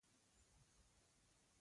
الوتکه له انسانه ساینسمن جوړوي.